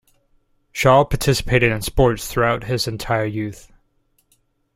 Shaw participated in sports throughout his entire youth.